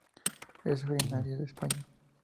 Es originaria de España.